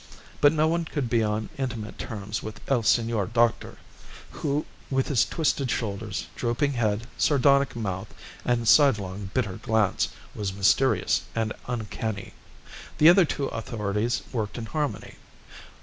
But no one could be on intimate terms with El Senor Doctor, who, with his twisted shoulders, drooping head, sardonic mouth, and side long bitter glance, was mysterious and uncanny. The other two authorities worked in harmony.